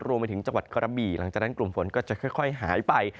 รวมไปถึงจังหวัดกระบี่หลังจากนั้นกลุ่มฝนก็จะค่อยหายไป